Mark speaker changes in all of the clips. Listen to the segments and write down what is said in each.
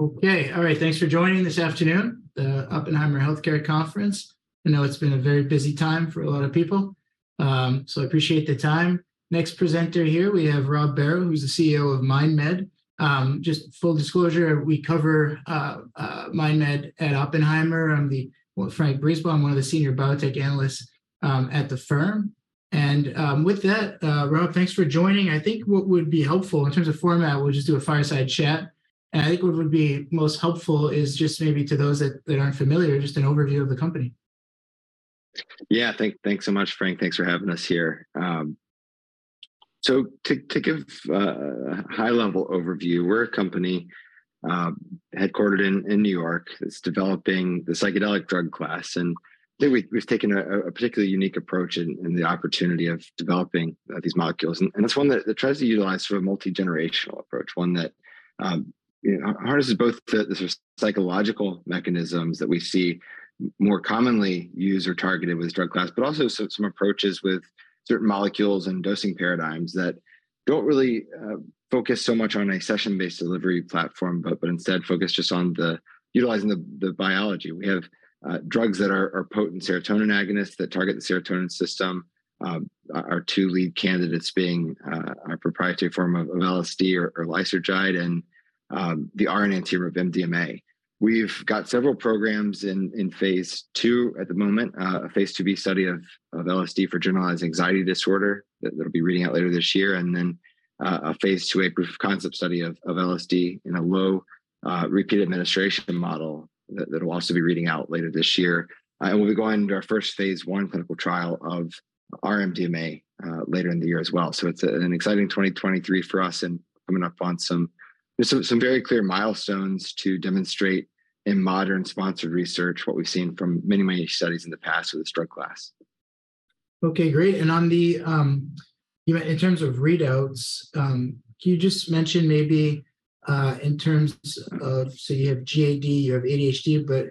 Speaker 1: Okay. All right, thanks for joining this afternoon, the Oppenheimer Healthcare Life Sciences Conference. I know it's been a very busy time for a lot of people, so I appreciate the time. Next presenter here, we have Rob Barrow, who's the CEO of MindMed. Just full disclosure, we cover MindMed at Oppenheimer. François Brisebois. I'm one of the senior biotech analysts at the firm. With that, Rob, thanks for joining. I think what would be helpful in terms of format, we'll just do a fireside chat. I think what would be most helpful is just maybe to those that aren't familiar, just an overview of the company.
Speaker 2: Yeah. Thanks so much, François. Thanks for having us here. To give a high level overview, we're a company headquartered in New York that's developing the psychedelic drug class. I think we've taken a particularly unique approach in the opportunity of developing these molecules. It's one that tries to utilize sort of multi-generational approach, one that, you know, harnesses both the sort of psychological mechanisms that we see more commonly used or targeted with this drug class, but also some approaches with certain molecules and dosing paradigms that don't really focus so much on a session-based delivery platform, but instead focus just on utilizing the biology. We have drugs that are potent serotonin agonists that target the serotonin system. Our two lead candidates being our proprietary form of LSD or lysergide and the R-enantiomer of MDMA. We've got several programs in Phase II at the moment. A Phase II B study of LSD for generalized anxiety disorder that'll be reading out later this year, a Phase II A proof of concept study of LSD in a low repeat administration model that'll also be reading out later this year. We'll be going into our first Phase I clinical trial of R-MDMA later in the year as well. It's an exciting 2023 for us, coming up on some, you know, some very clear milestones to demonstrate in modern sponsored research what we've seen from many studies in the past with this drug class.
Speaker 1: Okay, great. On the, you know, in terms of readouts, can you just mention maybe, in terms of so you have GAD, you have ADHD, but,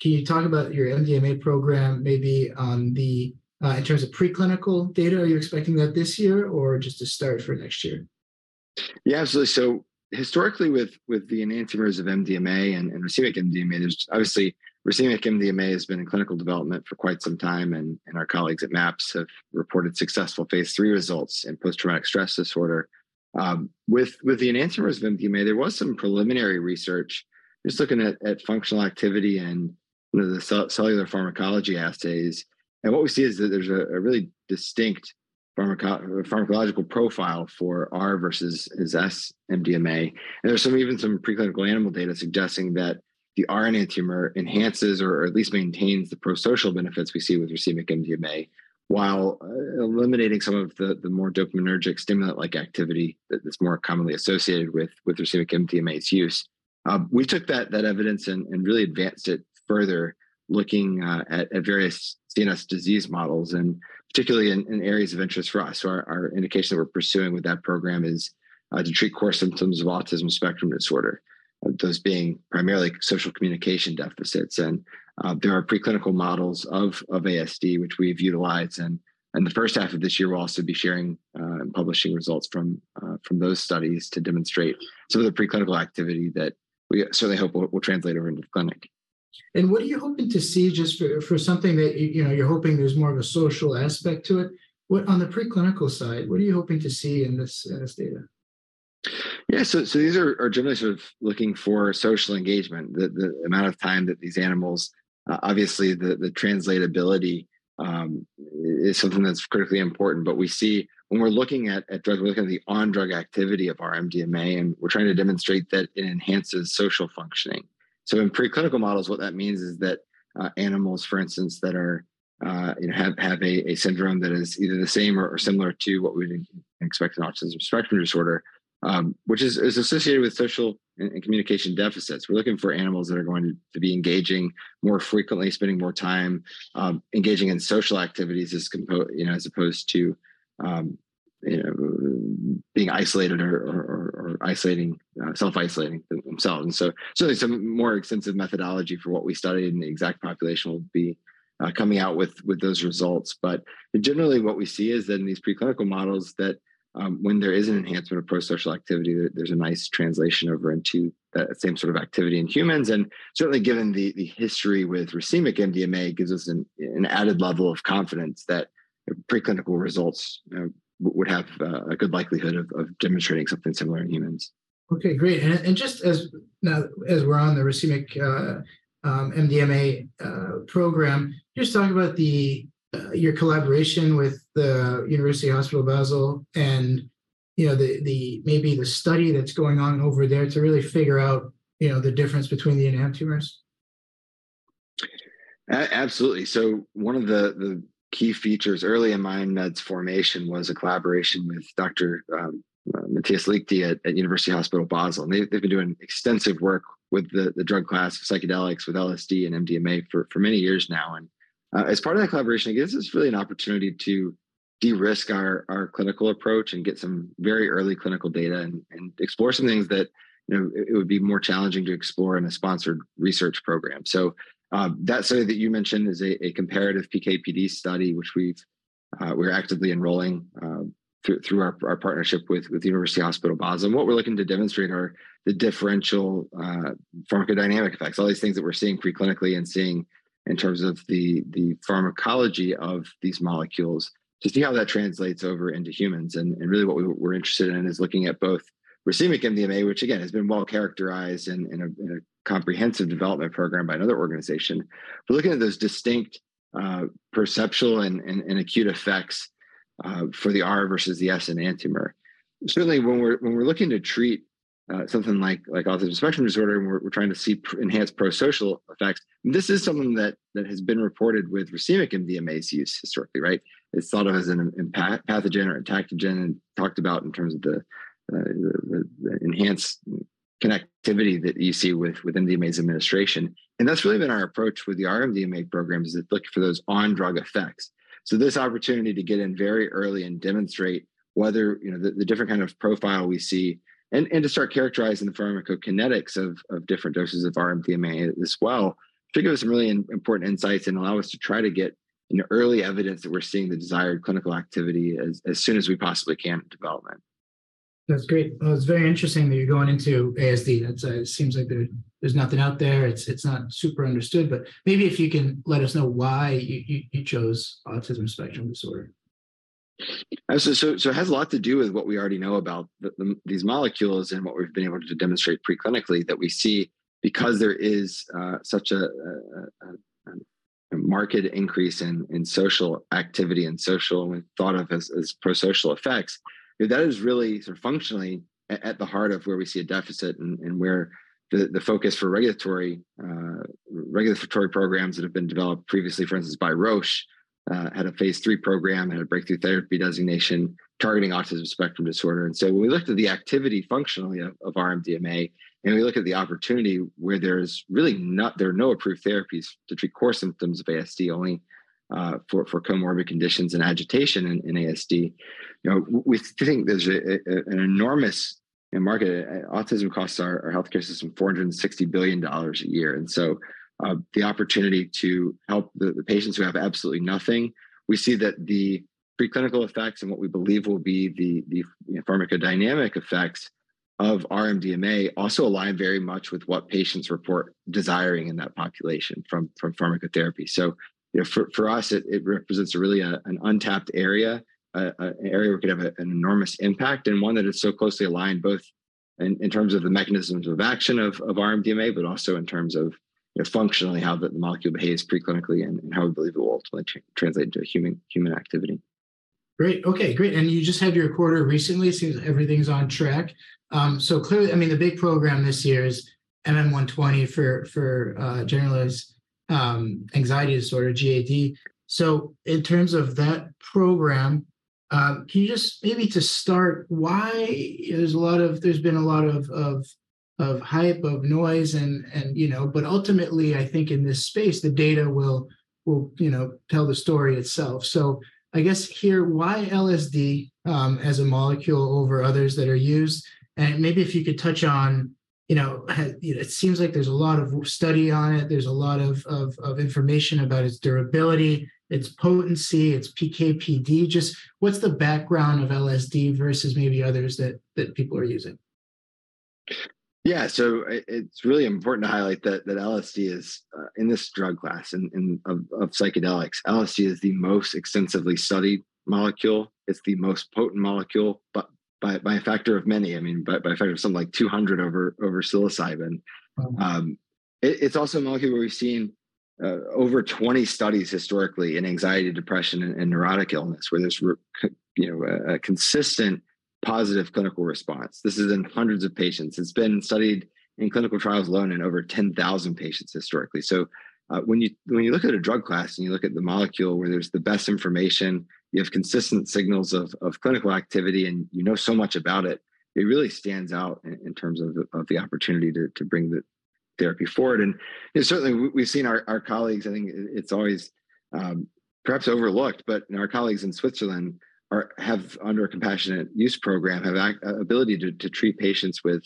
Speaker 1: can you talk about your MDMA program maybe on the, in terms of preclinical data? Are you expecting that this year, or just a start for next year?
Speaker 2: Yeah, absolutely. Historically with the enantiomers of MDMA and racemic MDMA, there's obviously racemic MDMA has been in clinical development for quite some time, and our colleagues at MAPS have reported successful phase III results in post-traumatic stress disorder. With the enantiomers of MDMA, there was some preliminary research just looking at functional activity and, you know, the cellular pharmacology assays. What we see is that there's a really distinct pharmacological profile for R versus, as S MDMA. There's even some preclinical animal data suggesting that the R-enantiomer enhances or at least maintains the prosocial benefits we see with racemic MDMA while eliminating some of the more dopaminergic stimulant-like activity that is more commonly associated with racemic MDMA's use. We took that evidence and really advanced it further, looking at various CNS disease models and particularly in areas of interest for us. Our indication that we're pursuing with that program is to treat core symptoms of autism spectrum disorder, those being primarily social communication deficits. There are preclinical models of ASD which we've utilized. The first half of this year, we'll also be sharing and publishing results from those studies to demonstrate some of the preclinical activity that we certainly hope will translate over into the clinic.
Speaker 1: What are you hoping to see just for something that you know, you're hoping there's more of a social aspect to it? On the preclinical side, what are you hoping to see in this data?
Speaker 2: Yeah. These are generally sort of looking for social engagement. The amount of time that these animals... Obviously the translatability is something that's critically important. We see when we're looking at drug, we're looking at the on-drug activity of our MDMA, and we're trying to demonstrate that it enhances social functioning. In preclinical models, what that means is that animals, for instance, that are, you know, have a syndrome that is either the same or similar to what we'd expect in autism spectrum disorder, which is associated with social and communication deficits. We're looking for animals that are going to be engaging more frequently, spending more time, engaging in social activities as you know, as opposed to, you know, being isolated or isolating, self-isolating themselves. Certainly some more extensive methodology for what we studied, and the exact population will be coming out with those results. Generally what we see is in these preclinical models that when there is an enhancement of prosocial activity, there's a nice translation over into the same sort of activity in humans. Certainly given the history with racemic MDMA gives us an added level of confidence that preclinical results would have a good likelihood of demonstrating something similar in humans.
Speaker 1: Okay, great. Just as now as we're on the racemic MDMA program, can you just talk about your collaboration with the University Hospital Basel and, you know, maybe the study that's going on over there to really figure out, you know, the difference between the enantiomers?
Speaker 2: Absolutely. One of the key features early in MindMed's formation was a collaboration with Dr. Matthias Liechti at University Hospital Basel. They've been doing extensive work with the drug class of psychedelics, with LSD and MDMA for many years now. As part of that collaboration, it gives us really an opportunity to de-risk our clinical approach and get some very early clinical data and explore some things that, you know, it would be more challenging to explore in a sponsored research program. That study that you mentioned is a comparative PK/PD study which we're actively enrolling through our partnership with University Hospital Basel. What we're looking to demonstrate are the differential pharmacodynamic effects. All these things that we're seeing pre-clinically and seeing in terms of the pharmacology of these molecules to see how that translates over into humans. Really what we're interested in is looking at both racemic MDMA, which again, has been well-characterized in a comprehensive development program by another organization. Looking at those distinct perceptual and acute effects for the R versus the S enantiomer. Certainly when we're looking to treat something like autism spectrum disorder and we're trying to see enhanced prosocial effects, this is something that has been reported with racemic MDMA's use historically, right? It's thought of as an entactogen and talked about in terms of the enhanced connectivity that you see within MDMA's administration. That's really been our approach with the R-MDMA program is to look for those on-drug effects. This opportunity to get in very early and demonstrate whether, you know, the different kind of profile we see and to start characterizing the pharmacokinetics of different doses of R-MDMA as well, to give us some really important insights and allow us to try to get, you know, early evidence that we're seeing the desired clinical activity as soon as we possibly can in development.
Speaker 1: That's great. Well, it's very interesting that you're going into ASD. Seems like there's nothing out there. It's not super understood. Maybe if you can let us know why you chose autism spectrum disorder.
Speaker 2: It has a lot to do with what we already know about the these molecules and what we've been able to demonstrate pre-clinically that we see because there is such a marked increase in social activity and social and thought of as prosocial effects. That is really sort of functionally at the heart of where we see a deficit and where the focus for regulatory programs that have been developed previously, for instance by Roche, had a phase three program and a Breakthrough Therapy designation targeting Autism Spectrum Disorder. When we looked at the activity functionally of R-MDMA, and we look at the opportunity where there are no approved therapies to treat core symptoms of ASD, only for comorbid conditions and agitation in ASD. We think there's an enormous market. Autism costs our healthcare system $460 billion a year. The opportunity to help the patients who have absolutely nothing, we see that the pre-clinical effects and what we believe will be the pharmacodynamic effects of R-MDMA also align very much with what patients report desiring in that population from pharmacotherapy. You know, for us, it represents really an untapped area, an area where we could have an enormous impact and one that is so closely aligned both in terms of the mechanisms of action of R-MDMA, but also in terms of functionally how the molecule behaves pre-clinically and how we believe it will ultimately translate into human activity.
Speaker 1: Great. Okay, great. You just had your quarter recently. It seems everything's on track. Clearly, I mean, the big program this year is MM-120 for Generalized Anxiety Disorder, GAD. In terms of that program, can you just maybe to start why there's been a lot of hype, of noise and you know, ultimately I think in this space, the data will, you know, tell the story itself. I guess here, why LSD as a molecule over others that are used? Maybe if you could touch on, you know, it seems like there's a lot of study on it. There's a lot of information about its durability, its potency, its PK/PD. Just what's the background of LSD versus maybe others that people are using?
Speaker 2: Yeah. It's really important to highlight that LSD is in this drug class, in psychedelics, LSD is the most extensively studied molecule. It's the most potent molecule, but by a factor of many. I mean by a factor of something like 200 over psilocybin. It's also a molecule where we've seen over 20 studies historically in anxiety, depression, and neurotic illness where there's you know, a consistent positive clinical response. This is in hundreds of patients. It's been studied in clinical trials alone in over 10,000 patients historically. When you look at a drug class and you look at the molecule where there's the best information, you have consistent signals of clinical activity, and you know so much about it really stands out in terms of the opportunity to bring the therapy forward. You know, certainly we've seen our colleagues, I think it's always perhaps overlooked, but our colleagues in Switzerland have under a compassionate use program, have a ability to treat patients with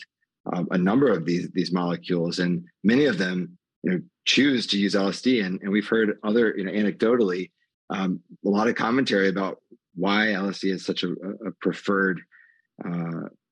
Speaker 2: a number of these molecules, and many of them, you know, choose to use LSD. We've heard other, you know, anecdotally, a lot of commentary about why LSD is such a preferred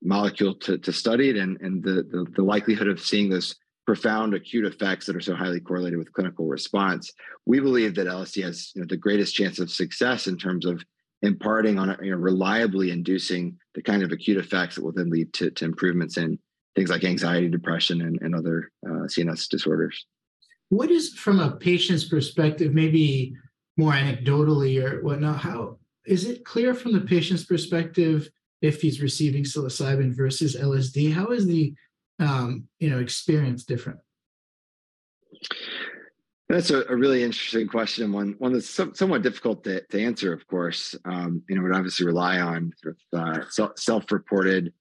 Speaker 2: molecule to study it and the likelihood of seeing those profound acute effects that are so highly correlated with clinical response. We believe that LSD has the greatest chance of success in terms of imparting on a, you know, reliably inducing the kind of acute effects that will then lead to improvements in things like anxiety, depression, and other CNS disorders.
Speaker 1: What is from a patient's perspective, maybe more anecdotally or whatnot, is it clear from the patient's perspective if he's receiving psilocybin versus LSD? How is the experience different?
Speaker 2: That's a really interesting question, one that's somewhat difficult to answer, of course. You know, would obviously rely on sort of self-reported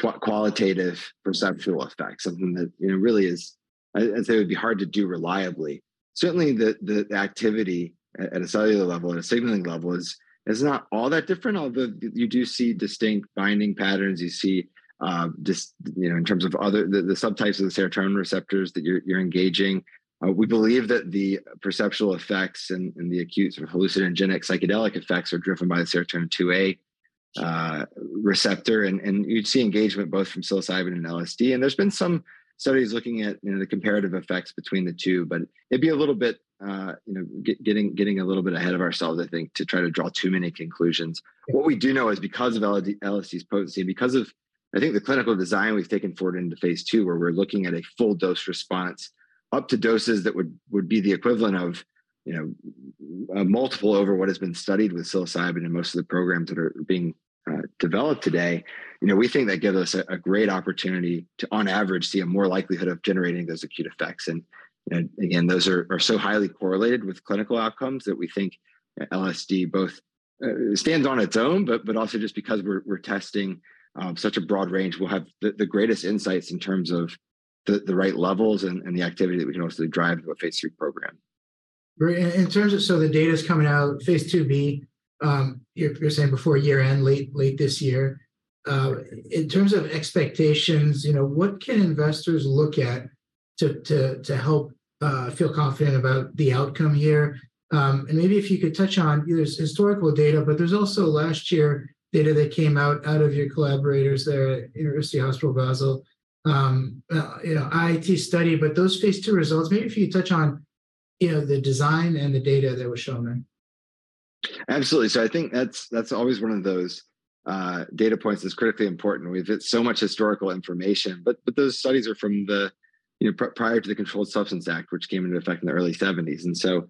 Speaker 2: qualitative perceptual effects, something that, you know, really is, I'd say would be hard to do reliably. Certainly the activity at a cellular level and a signaling level is not all that different, although you do see distinct binding patterns. You see, you know, in terms of other, the subtypes of the serotonin receptors that you're engaging. We believe that the perceptual effects and the acute sort of hallucinogenic psychedelic effects are driven by serotonin 2A receptor and you'd see engagement both from psilocybin and LSD. There's been some studies looking at, you know, the comparative effects between the two, but it'd be a little bit, you know, getting a little bit ahead of ourselves, I think, to try to draw too many conclusions. We do know is because of LSD's potency and because of, I think, the clinical design we've taken forward into phase II, where we're looking at a full dose response up to doses that would be the equivalent of, you know, a multiple over what has been studied with psilocybin in most of the programs that are being developed today, you know, we think that gives us a great opportunity to, on average, see a more likelihood of generating those acute effects. Again, those are so highly correlated with clinical outcomes that we think LSD both stands on its own, but also just because we're testing such a broad range, we'll have the greatest insights in terms of the right levels and the activity that we can ultimately drive to a phase III program.
Speaker 1: Great. In terms of some of the data that's coming out of phase II B, you're saying before year-end, late this year. In terms of expectations, you know, what can investors look at to help feel confident about the outcome here? Maybe if you could touch on, you know, there's historical data, but there's also last year data that came out of your collaborators there at University Hospital Basel, you know, IIT study. Those phase II results, maybe if you could touch on, you know, the design and the data that was shown there.
Speaker 2: Absolutely. I think that's always one of those data points that's critically important. We've so much historical information, but those studies are from the, you know, prior to the Controlled Substances Act, which came into effect in the early 1970s.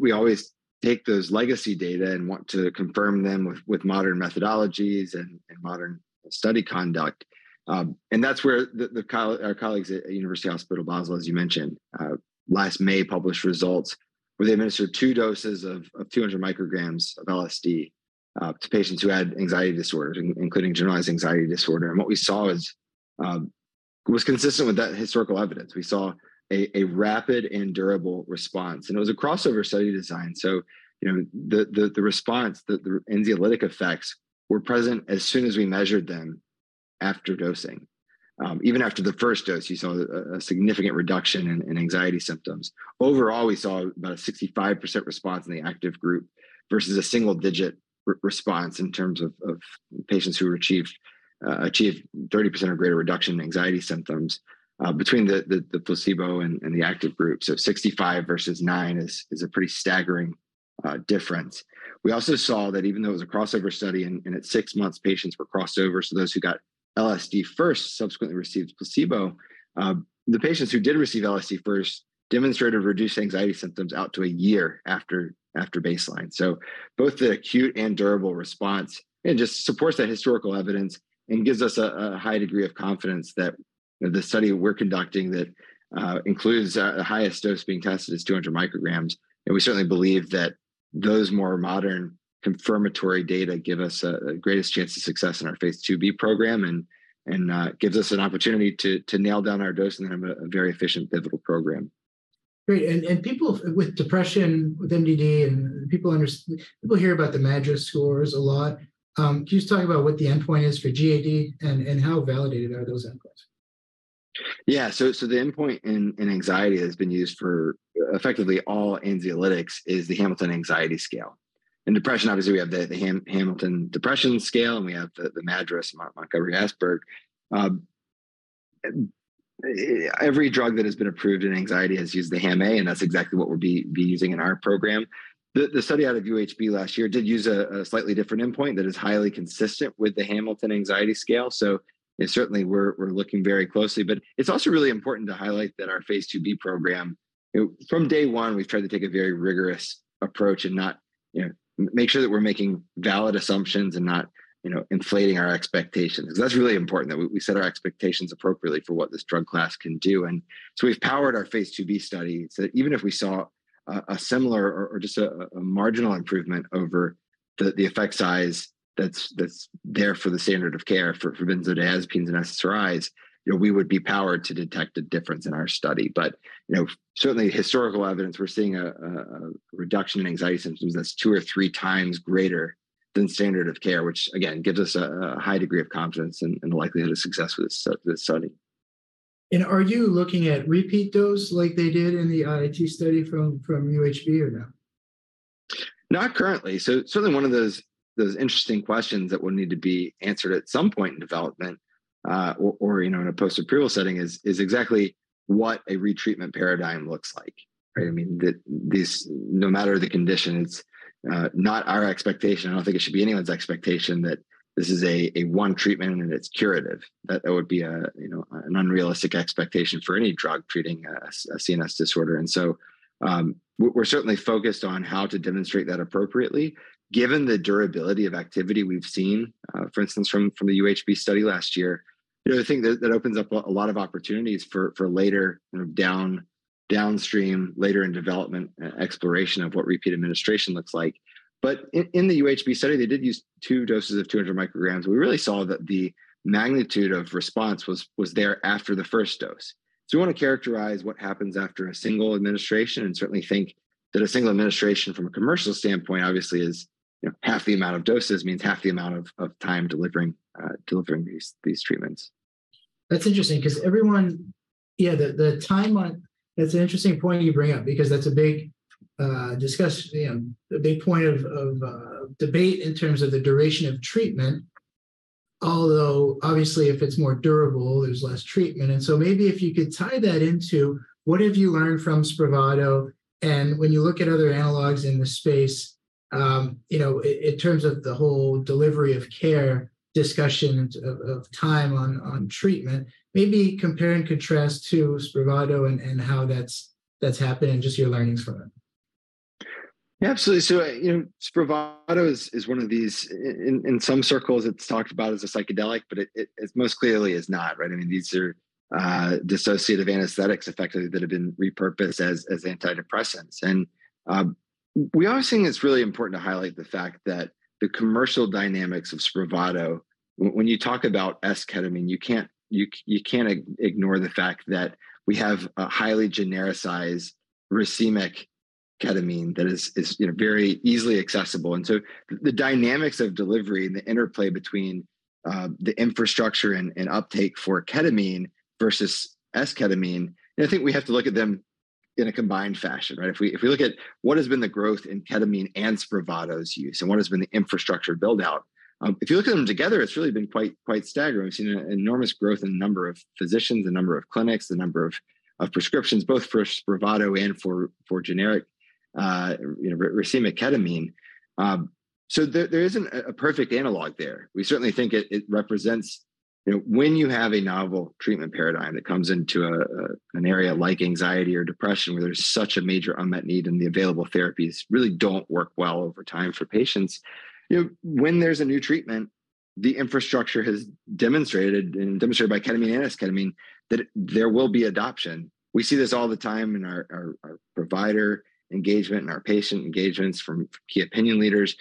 Speaker 2: We always take those legacy data and want to confirm them with modern methodologies and modern study conduct. That's where the our colleagues at University Hospital Basel, as you mentioned, last May published results where they administered two doses of 200 micrograms of LSD to patients who had anxiety disorders, including generalized anxiety disorder. What we saw is was consistent with that historical evidence. We saw a rapid and durable response, and it was a crossover study design. You know, the response, the anxiolytic effects were present as soon as we measured them after dosing. Even after the first dose, you saw a significant reduction in anxiety symptoms. Overall, we saw about a 65% response in the active group versus a single-digit response in terms of patients who achieved 30% or greater reduction in anxiety symptoms between the placebo and the active group. 65 versus nine is a pretty staggering difference. We also saw that even though it was a crossover study, at six months patients were crossed over, so those who got LSD first subsequently received placebo, the patients who did receive LSD first demonstrated reduced anxiety symptoms out to a year after baseline. Both the acute and durable response, it just supports that historical evidence and gives us a high degree of confidence that the study we're conducting that includes the highest dose being tested is 200 micrograms. We certainly believe that those more modern confirmatory data give us a greatest chance of success in our phase II B program, and gives us an opportunity to nail down our dose and then have a very efficient pivotal program.
Speaker 1: Great. People with depression, with MDD and people hear about the MADRS scores a lot. Can you just talk about what the endpoint is for GAD and how validated are those endpoints?
Speaker 2: Yeah. The endpoint in anxiety has been used for effectively all anxiolytics is the Hamilton Anxiety Rating Scale. In depression obviously we have the Hamilton Depression Rating Scale, and we have the MADRS, Montgomery-Åsberg. Every drug that has been approved in anxiety has used the Hamilton Anxiety Rating Scale (HAMA), that's exactly what we'll be using in our program. The study out of UHB last year did use a slightly different endpoint that is highly consistent with the Hamilton Anxiety Rating Scale. Certainly we're looking very closely. It's also really important to highlight that our Phase II B program, you know, from day one we've tried to take a very rigorous approach and not, you know, make sure that we're making valid assumptions and not, you know, inflating our expectations. That's really important that we set our expectations appropriately for what this drug class can do. We've powered our Phase II B study so that even if we saw a similar or just a marginal improvement over the effect size that's there for the standard of care for benzodiazepines and SSRIs, you know, we would be powered to detect a difference in our study. You know, certainly historical evidence, we're seeing a reduction in anxiety symptoms that's two or three times greater than standard of care, which again, gives us a high degree of confidence in the likelihood of success with this study.
Speaker 1: Are you looking at repeat dose like they did in the IIT study from UHB or no?
Speaker 2: Not currently. Certainly one of those interesting questions that will need to be answered at some point in development, or, you know, in a post-approval setting is exactly what a retreatment paradigm looks like, right? I mean, these no matter the condition, it's not our expectation, I don't think it should be anyone's expectation that this is a one treatment and it's curative. That would be a, you know, an unrealistic expectation for any drug treating a CNS disorder. We're certainly focused on how to demonstrate that appropriately. Given the durability of activity we've seen, for instance, from the UHB study last year, you know, I think that opens up a lot of opportunities for later, you know, downstream, later in development, exploration of what repeat administration looks like. In the UHB study they did use two doses of 200 micrograms. We really saw that the magnitude of response was there after the first dose. We want to characterize what happens after a single administration, and certainly think that a single administration from a commercial standpoint obviously is, you know, half the amount of doses means half the amount of time delivering these treatments.
Speaker 1: That's interesting because Yeah, the time on that's an interesting point you bring up because that's a big, you know, a big point of debate in terms of the duration of treatment. Although, obviously, if it's more durable, there's less treatment. Maybe if you could tie that into what have you learned from Spravato, and when you look at other analogs in the space, you know, in terms of the whole delivery of care discussion of time on treatment, maybe compare and contrast to Spravato and how that's happening and just your learnings from it.
Speaker 2: Absolutely. You know, Spravato is one of these in some circles it's talked about as a psychedelic, but it most clearly is not, right? I mean, these are dissociative anesthetics effectively that have been repurposed as antidepressants. We are seeing it's really important to highlight the fact that the commercial dynamics of Spravato, when you talk about S-ketamine, you can't ignore the fact that we have a highly genericized racemic ketamine that is, you know, very easily accessible. The dynamics of delivery and the interplay between the infrastructure and uptake for ketamine versus S-ketamine, and I think we have to look at them in a combined fashion, right? If we look at what has been the growth in ketamine and Spravato's use and what has been the infrastructure build-out, if you look at them together, it's really been quite staggering. We've seen an enormous growth in the number of physicians, the number of clinics, the number of prescriptions, both for Spravato and for generic, you know, racemic ketamine. There isn't a perfect analog there. We certainly think it represents, you know, when you have a novel treatment paradigm that comes into an area like anxiety or depression where there's such a major unmet need and the available therapies really don't work well over time for patients, you know, when there's a new treatment, the infrastructure has demonstrated by ketamine and S-ketamine that there will be adoption. We see this all the time in our provider engagement and our patient engagements from key opinion leaders.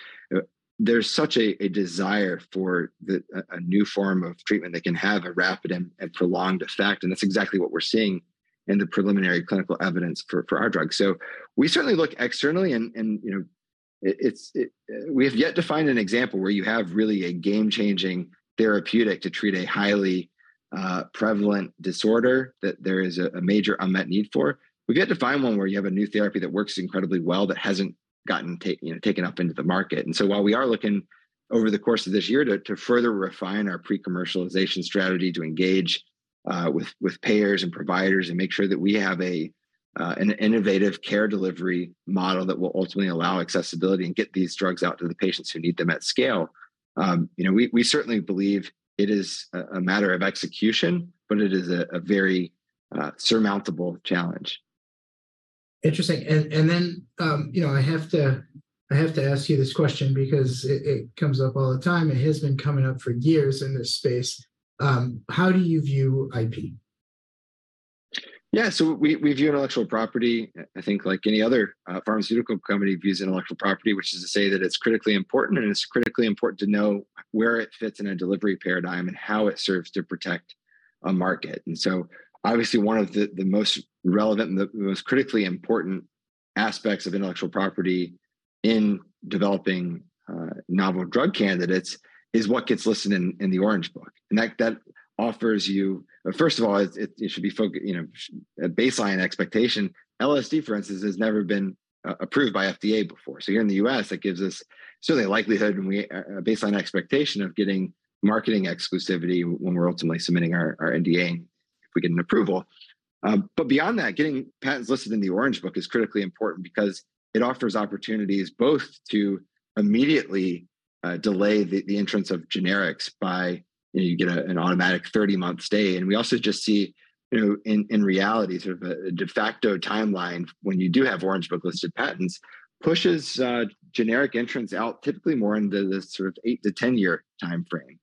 Speaker 2: There's such a desire for a new form of treatment that can have a rapid and prolonged effect, and that's exactly what we're seeing in the preliminary clinical evidence for our drug. We certainly look externally and, you know, it's, we have yet to find an example where you have really a game-changing therapeutic to treat a highly prevalent disorder that there is a major unmet need for. We've yet to find one where you have a new therapy that works incredibly well that hasn't gotten, you know, taken up into the market. While we are looking over the course of this year to further refine our pre-commercialization strategy to engage with payers and providers and make sure that we have an innovative care delivery model that will ultimately allow accessibility and get these drugs out to the patients who need them at scale, you know, we certainly believe it is a matter of execution, but it is a very surmountable challenge.
Speaker 1: Interesting. Then, you know, I have to ask you this question because it comes up all the time. It has been coming up for years in this space. How do you view IP?
Speaker 2: We view Intellectual Property, I think like any other pharmaceutical company views Intellectual Property, which is to say that it's critically important, and it's critically important to know where it fits in a delivery paradigm and how it serves to protect a market. Obviously one of the most relevant and the most critically important aspects of Intellectual Property in developing novel drug candidates is what gets listed in the Orange Book, and that offers you. First of all, it should be, you know, a baseline expectation. LSD, for instance, has never been approved by FDA before. Here in the U.S., that gives us certainly a likelihood and a baseline expectation of getting marketing exclusivity when we're ultimately submitting our NDA, if we get an approval. Beyond that, getting patents listed in the Orange Book is critically important because it offers opportunities both to immediately delay the entrance of generics by, you know, you get an automatic 30-month stay. We also just see, you know, in reality, sort of a de facto timeline when you do have Orange Book listed patents, pushes generic entrants out typically more into the 8-10 year timeframe.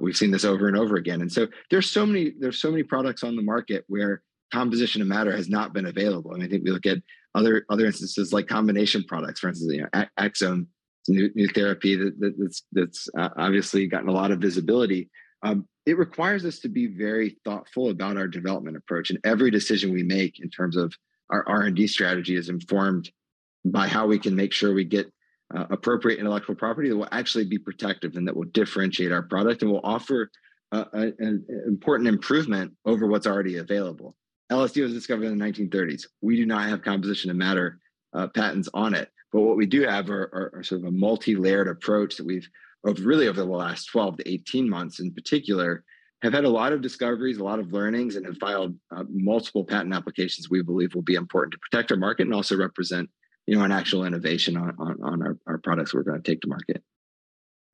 Speaker 2: We've seen this over and over again. There's so many products on the market where composition of matter has not been available, and I think we look at other instances like combination products, for instance, you know, Axsome's new therapy that's obviously gotten a lot of visibility. It requires us to be very thoughtful about our development approach, and every decision we make in terms of our R&D strategy is informed by how we can make sure we get appropriate intellectual property that will actually be protective and that will differentiate our product and will offer an important improvement over what's already available. LSD was discovered in the 1930s. We do not have composition of matter patents on it, but what we do have are sort of a multi-layered approach that we've, of really over the last 12-18 months in particular, have had a lot of discoveries, a lot of learnings, and have filed multiple patent applications we believe will be important to protect our market and also represent, you know, an actual innovation on our products we're gonna take to market.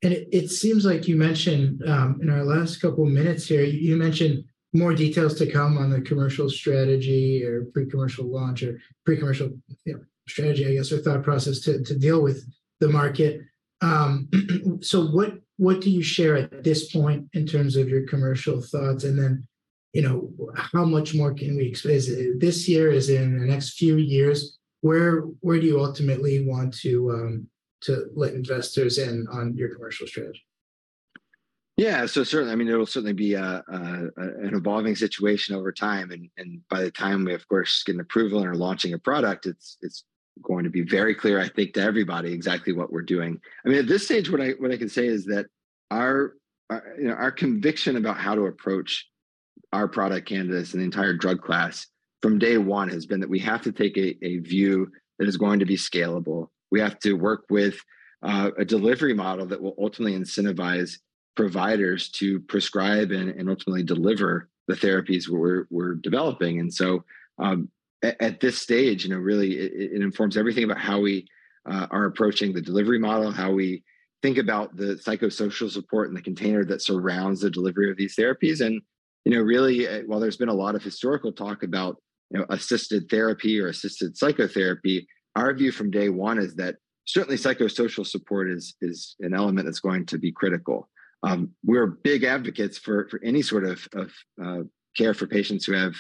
Speaker 1: It seems like you mentioned, in our last couple of minutes here, you mentioned more details to come on the commercial strategy or pre-commercial launch or pre-commercial, you know, strategy, I guess, or thought process to deal with the market. What, what do you share at this point in terms of your commercial thoughts? Then, you know, how much more can we expect this year, is it in the next few years? Where, where do you ultimately want to let investors in on your commercial strategy?
Speaker 2: Yeah. Certainly, I mean, it'll certainly be an evolving situation over time, and by the time we, of course, get an approval and are launching a product, it's going to be very clear, I think, to everybody exactly what we're doing. I mean, at this stage, what I can say is that. Our, you know, our conviction about how to approach our product candidates and the entire drug class from day one has been that we have to take a view that is going to be scalable. We have to work with a delivery model that will ultimately incentivize providers to prescribe and ultimately deliver the therapies we're developing. At this stage, you know, really it informs everything about how we are approaching the delivery model, how we think about the psychosocial support and the container that surrounds the delivery of these therapies. You know, really, while there's been a lot of historical talk about, you know, assisted therapy or assisted psychotherapy, our view from day one is that certainly psychosocial support is an element that's going to be critical. We're big advocates for any sort of care for patients who have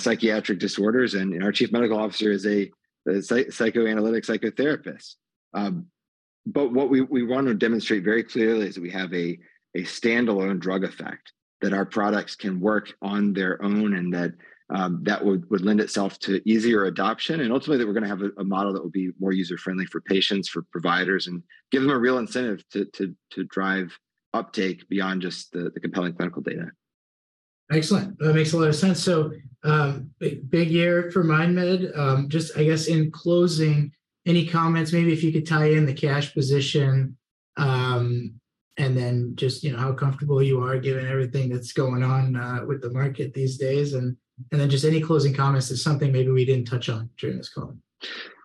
Speaker 2: psychiatric disorders, and our chief medical officer is a psychoanalytic psychotherapist. What we want to demonstrate very clearly is we have a standalone drug effect, that our products can work on their own, and that would lend itself to easier adoption, and ultimately that we're gonna have a model that will be more user-friendly for patients, for providers, and give them a real incentive to drive uptake beyond just the compelling clinical data.
Speaker 1: Excellent. That makes a lot of sense. big, big year for MindMed. Just I guess in closing, any comments, maybe if you could tie in the cash position, and then just, you know, how comfortable you are given everything that's going on, with the market these days, and then just any closing comments or something maybe we didn't touch on during this call?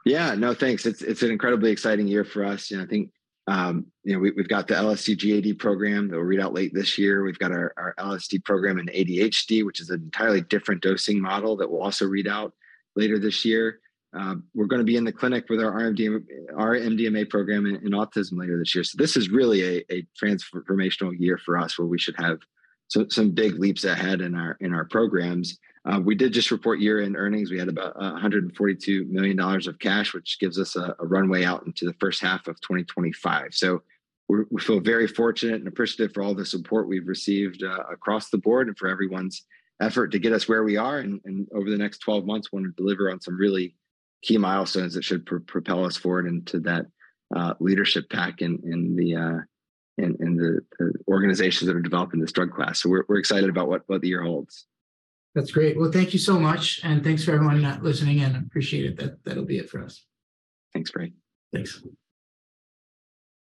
Speaker 2: Yeah. No, thanks. It's an incredibly exciting year for us. I think, you know, we've got the LSD-GAD program that will read out late this year. We've got our LSD program in ADHD, which is an entirely different dosing model that will also read out later this year. We're gonna be in the clinic with our MDMA program in autism later this year. This is really a transformational year for us, where we should have some big leaps ahead in our programs. We did just report year-end earnings. We had about $142 million of cash, which gives us a runway out into the first half of 2025. We're, we feel very fortunate and appreciative for all the support we've received across the board and for everyone's effort to get us where we are. Over the next 12 months, want to deliver on some really key milestones that should propel us forward into that leadership pack in the organizations that are developing this drug class. We're, we're excited about what the year holds.
Speaker 1: That's great. Well, thank you so much, and thanks for everyone, listening in. Appreciate it. That'll be it for us.
Speaker 2: Thanks, François.
Speaker 1: Thanks.